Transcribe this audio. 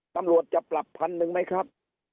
ตำรวจจะปรับพันหนึ่งไหมครับ